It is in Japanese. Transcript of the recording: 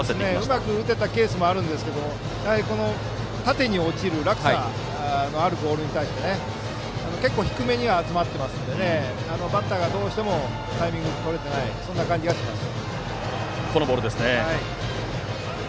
うまく打てたケースもありますが縦に落ちる落差のあるボールに対して結構、低めには集まっているのでバッターはどうしてもタイミングを取れていない感じがします。